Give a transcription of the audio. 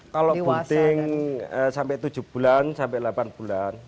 kalau booting sampai tujuh bulan sampai delapan bulan